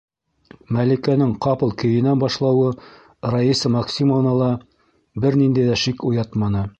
- Мәликәнең ҡапыл кейенә башлауы Раиса Максимовнала бер ниндәй ҙә шик уятманы.